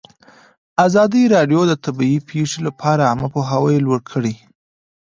ازادي راډیو د طبیعي پېښې لپاره عامه پوهاوي لوړ کړی.